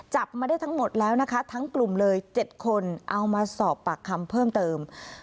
จับมาได้ทั้งหมดแล้วนะคะทั้งกลุ่มเลย๗คนเอามาสอบปากคำเพิ่มเติม